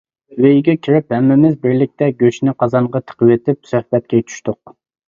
ئۆيگە كىرىپ ھەممىمىز بىرلىكتە گۆشنى قازانغا تىقىۋېتىپ سۆھبەتكە چۈشتۇق.